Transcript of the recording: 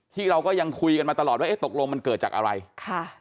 ที่เราก็ยังคุยกันมาตลอดว่าเอ๊ะตกลงมันเกิดจากอะไรค่ะ